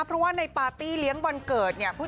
เพราะว่าในปาร์ตี้เลี้ยงวันเกิดเนี่ย